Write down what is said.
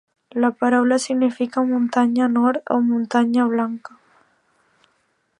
La paraula significa "muntanya nord" o "muntanya blanca".